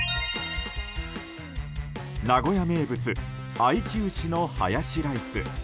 名古屋名物あいち牛のハヤシライス。